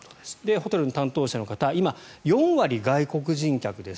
ホテルの担当者の方今、４割が外国人客です